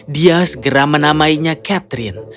dia segera menamainya catherine